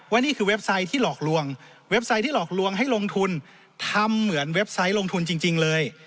นี่คือเว็บไซต์ที่หลอกลวงเว็บไซต์ที่หลอกลวงให้ลงทุนทำเหมือนเว็บไซต์ลงทุนจริงเลย